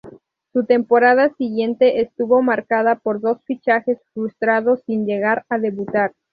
Su temporada siguiente estuvo marcada por dos fichajes frustrados sin llegar a debutar.